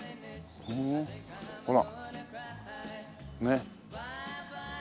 ほらねえ。